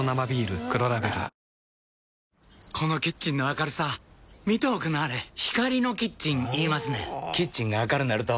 このキッチンの明るさ見ておくんなはれ光のキッチン言いますねんほぉキッチンが明るなると・・・